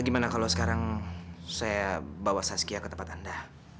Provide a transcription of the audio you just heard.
gimana kalau sekarang saya bawa saskia ke tempat anda